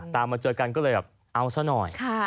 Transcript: มาเจอกันก็เลยแบบเอาซะหน่อย